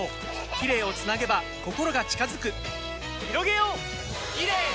キレイをつなげば心が近づくひろげようキレイの輪！